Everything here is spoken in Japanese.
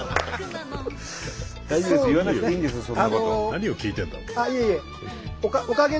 何を聞いてんだ？